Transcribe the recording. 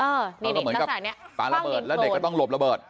นี่ก็เหมือนกับปลาระเบิดแล้วเด็กก็ต้องหลบระเบิด